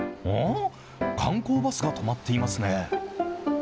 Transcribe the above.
観光バスが止まっていますね。